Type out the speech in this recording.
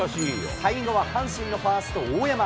最後は阪神のファースト、大山。